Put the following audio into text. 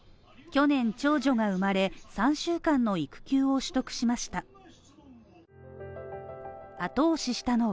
去年、長女が生まれ３週間の育休を取得しました。